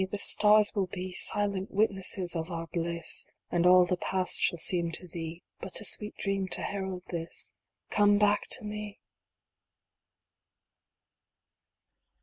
The stars will be Silent witnesses of our bliss, And all the past shall seem to thee But a sweet dream to herald this ! Come back to me